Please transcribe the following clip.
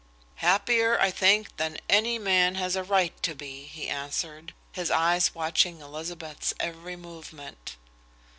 "Happier, I think, than any man has a right to be," he answered, his eyes watching Elizabeth's every movement.